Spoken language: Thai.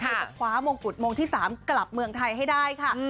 จะคว้ามงกุฎมงที่๓กลับเมืองไทยให้ได้ค่ะ